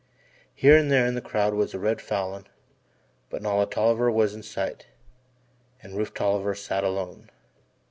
Here and there in the crowd was a red Falin, but not a Tolliver was in sight, and Rufe Tolliver sat alone.